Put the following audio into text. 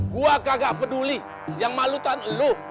gua kagak peduli yang malutan lu